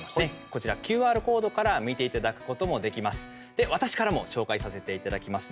こちらＱＲコードから見ていただくこともできます。